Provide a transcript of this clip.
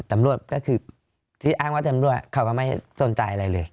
ตำรวจก็คือที่อ้างว่าตำรวจเขาก็ไม่สนใจอะไรเลย